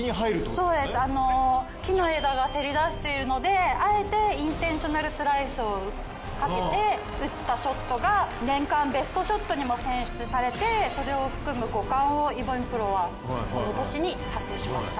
そうです木の枝がせり出しているのであえてインテンショナルスライスをかけて打ったショットが年間ベストショットにも選出されてそれを含む５冠をイボミプロはこの年に達成しました。